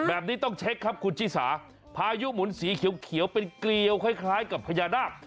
แบบนี้ต้องเช็คครับคุณชิสาพายุหมุนสีเขียวเป็นเกลียวคล้ายกับพญานาค